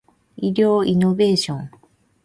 医療イノベーション